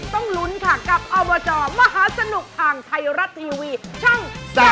ต้องลุ้นค่ะกับอบจมหาสนุกทางไทยรัฐทีวีช่อง๓๒